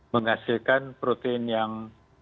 menghasilkan protein yang